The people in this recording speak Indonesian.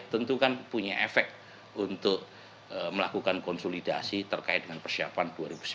tentu kan punya efek untuk melakukan konsolidasi terkait dengan persiapan dua ribu sembilan belas